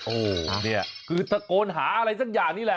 โอ้โหเนี่ยคือตะโกนหาอะไรสักอย่างนี้แหละ